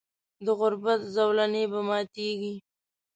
د غربت زولنې به ماتیږي.